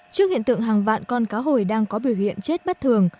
trước hiện tượng hàng vạn con cá hồi đang có biểu hiện chết bất thường